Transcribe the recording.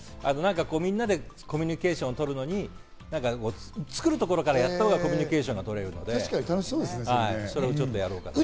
みんなでコミュニケーションを取るのに作るところからやったほうがコミュニケーションが取れるんで、それをやろうかなと。